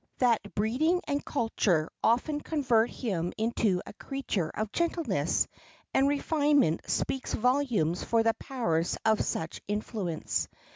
That breeding and culture often convert him into a creature of gentleness and refinement speaks volumes for the powers of such influence.